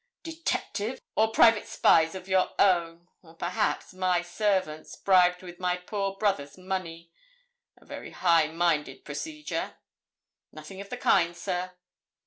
'Detectives? or private spies of your own or, perhaps, my servants, bribed with my poor brother's money? A very high minded procedure.' 'Nothing of the kind, sir.'